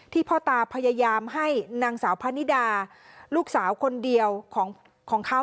พ่อตาพยายามให้นางสาวพะนิดาลูกสาวคนเดียวของเขา